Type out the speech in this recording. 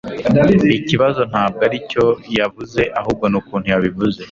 Ikibazo ntabwo aricyo yavuze ahubwo nukuntu yabivuze